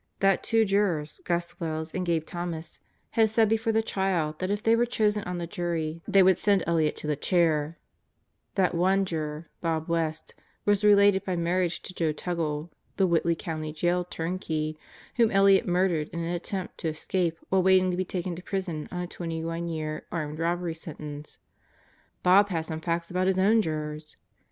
); that two jurors, Gus Wells and Gabe Thomas, had said before the trial that if they were chosen on the jury they would send Elliott to the chair; that one juror, Bob West, was related by marriage to Joe Tuggle, the Whitley County Jail turnkey, whom Elliott murdered in an attempt to escape while waiting to be taken to prison on a 21 year armed robbery sentence (Bob had some facts about his own jurors!)